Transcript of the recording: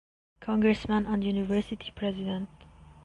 Congressman and university president.